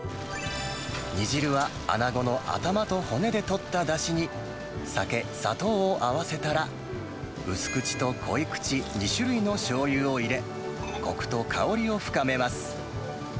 煮汁はアナゴの頭と骨でとっただしに、酒、砂糖を合わせたら、薄口と濃い口、２種類のしょうゆを入れ、こくと香りを深めます。